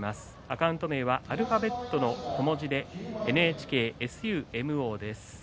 アカウント名はアルファベットの小文字でｎｈｋｓｕｍｏです。